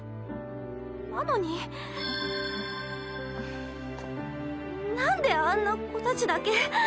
なのになんであんな子たちだけ。